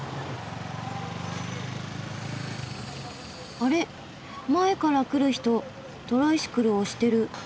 あれ前から来る人トライシクルを押してる。